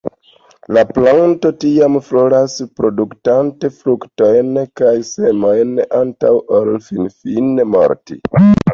La planto tiam floras, produktante fruktojn kaj semojn antaŭ ol finfine morti.